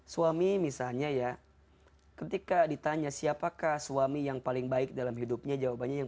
suami misalnya ya ketika ditanya siapakah suami yang paling baik dalam hidupnya jawabannya yang